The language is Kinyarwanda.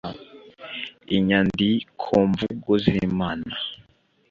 Inyandi komvugo z’imana